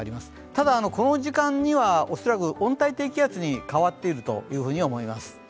ただ、この時間には恐らく温帯低気圧に変わっていると思います。